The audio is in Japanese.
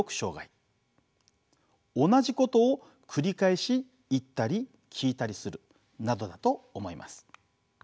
同じことを繰り返し言ったり聞いたりするなどだと思います。